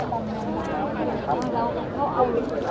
มันเป็นสิ่งที่จะให้ทุกคนรู้สึกว่ามันเป็นสิ่งที่จะให้ทุกคนรู้สึกว่า